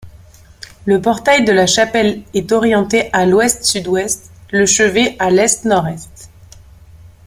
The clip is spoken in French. Le portail de la chapelle est orienté à l'ouest-sud-ouest, le chevet à l'est-nord-est.